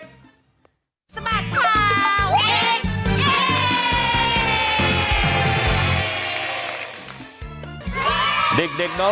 สบัดข่าวเด็กเย้